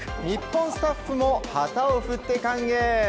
日本スタッフも旗を振って歓迎。